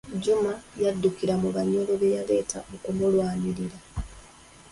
Juma yaddukira mu Banyoro be yaleeta okumulwanirira.